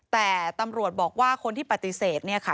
แต่ตำรวจบอกว่าคนที่ปฏิเสธเนี่ยค่ะ